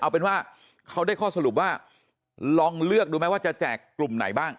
เอาเป็นว่าเขาได้ข้อสรุปว่าลองเลือกดูไหมว่าจะแจกกลุ่มไหนบ้าง